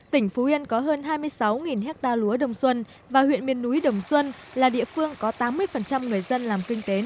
tỉnh phú yên có hơn hai mươi sáu hecta lúa đồng xuân và huyện miền núi đồng xuân là địa phương có tám mươi người dân làm kinh tế nội dung